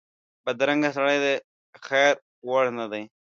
بدرنګه سړی د خیر وړ نه وي